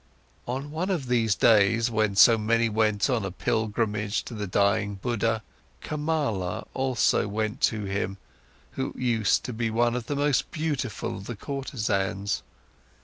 On one of these days, when so many went on a pilgrimage to the dying Buddha, Kamala also went to him, who used to be the most beautiful of the courtesans.